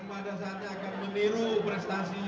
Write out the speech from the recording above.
yang mana saja akan meniru prestasi